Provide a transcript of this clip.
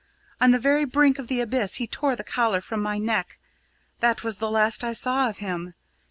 On the very brink of the abyss he tore the collar from my neck that was the last I saw of him.